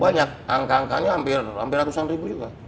banyak angka angkanya hampir ratusan ribu juga